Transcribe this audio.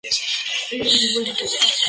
Es una promesa del fútbol mexicano.